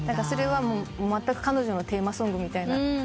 それはもうまったく彼女のテーマソングみたいな。